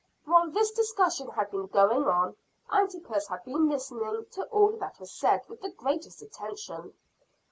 While this discussion had been going on, Antipas had been listening to all that was said with the greatest attention.